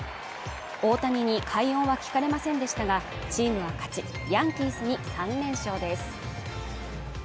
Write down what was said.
大谷に快音は聞かれませんでしたが、チームは勝ちヤンキースに３連勝です。